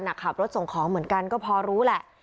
ขับรถส่งของเหมือนกันก็พอรู้แหละ